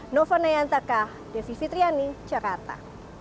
novorna yantaka devi fitriani jakarta